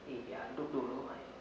iya duduk dulu